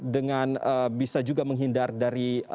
dengan bisa juga menghindar dari